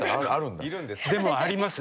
でもあります。